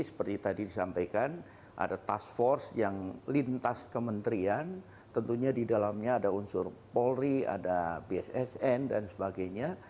seperti tadi disampaikan ada task force yang lintas kementerian tentunya di dalamnya ada unsur polri ada bssn dan sebagainya